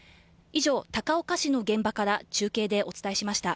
以上、高岡市の現場から中継でお伝えしました。